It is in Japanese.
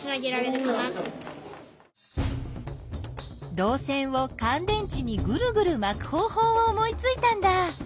どう線をかん電池にぐるぐるまく方ほうを思いついたんだ。